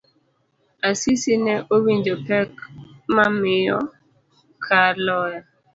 Asisi ne owinjo pek ma miyo kaloe.